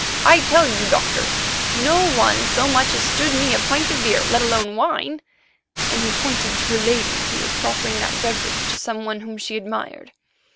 I tell you, Doctor, no one so much as stood me a pint of beer, let alone wine," and he pointed to a lady who was proffering that beverage to some one whom she admired.